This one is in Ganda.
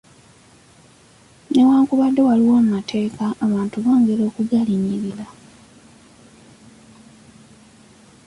Newankubadde waliwo amateeka abantu bongera okugalinyirira.